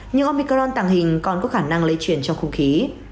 nhưng omicron tàng hình còn có khả năng lây chuyển cho không khí